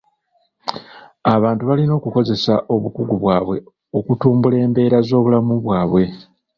Abantu balina okukozesa obukugu bwabwe okutumbula mbeera z'obulamu bwabwe.